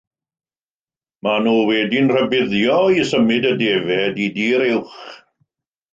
Maen nhw wedi'n rhybuddio i symud y defaid i dir uwch.